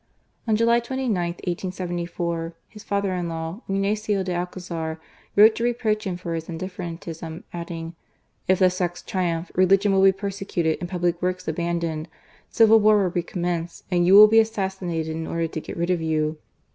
On July 29, 1874, his father in law, Ignacio de Alcazar, wrote to reproach him for his indifferentism, adding :" If the sects triumph, religion will be persecuted and public works abandoned ; civil war will re commence, and you will be assassinated in order to get rid of you."